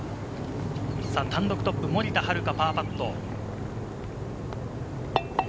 単独トップ、森田遥パーパット。